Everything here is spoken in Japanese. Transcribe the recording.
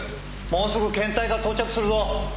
もうすぐ検体が到着するぞ。